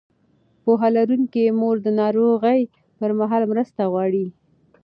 پوهه لرونکې مور د ناروغۍ پر مهال مرسته غواړي.